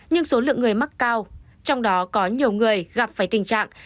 nhưng số lượng người mắc cao trong đó có nhiều người gặp phải tình trạng